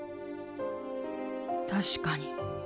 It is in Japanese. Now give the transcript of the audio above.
確かに。